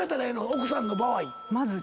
奥さんの場合。